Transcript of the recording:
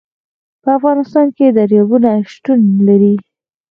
په افغانستان کې دریابونه شتون لري.